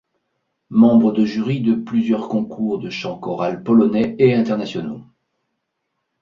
Membre de jury des plusieurs concours de chant choral polonais et internationaux.